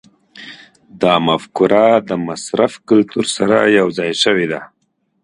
دا مفکوره د مصرف کلتور سره یوځای شوې ده.